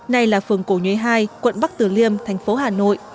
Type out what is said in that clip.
nay là phường cổ nhuế hai quận bắc tử liêm thành phố hà nội